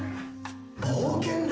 冒険だ！